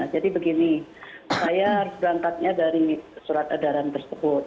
jadi begini saya berangkatnya dari surat adaran tersebut